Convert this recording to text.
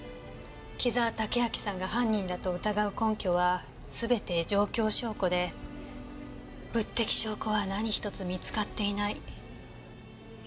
紀沢武明さんが犯人だと疑う根拠は全て状況証拠で物的証拠は何一つ見つかっていない。